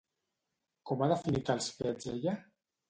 Com ha definit els fets ella?